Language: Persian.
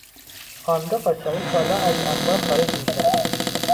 آن دو قاچاقی کالا از انبار خارج میکردند.